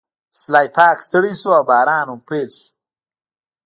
سلای فاکس ستړی شو او باران هم پیل شو